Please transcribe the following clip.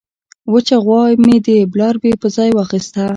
وچه غوا مې د بلاربې په ځای واخیسته.